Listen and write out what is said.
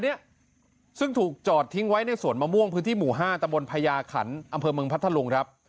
เนี่ยซึ่งถูกจอดทิ้งไว้ในสวนมะม่วงพื้นที่หมู่๕ตะบนพญาขันอำเภอเมืองพัทธลุงครับ